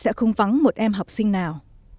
sĩ số lớp sẽ không vắng một em học sinh nào